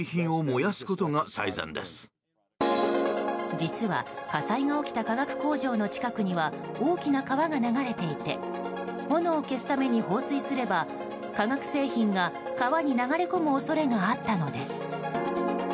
実は、火災が起きた化学工場の近くには大きな川が流れていて炎を消すために放水すれば化学製品が川に流れ込む恐れがあったのです。